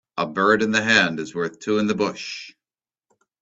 A bird in the hand is worth two in the bush